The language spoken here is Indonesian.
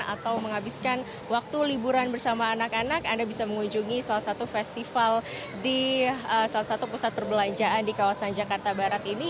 atau menghabiskan waktu liburan bersama anak anak anda bisa mengunjungi salah satu festival di salah satu pusat perbelanjaan di kawasan jakarta barat ini